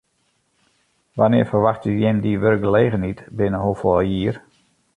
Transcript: Wannear ferwachtsje jim dy wurkgelegenheid, binnen hoefolle jier?